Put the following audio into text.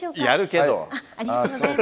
やるけど。